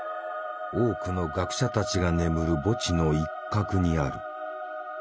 多くの学者たちが眠る墓地の一角にある。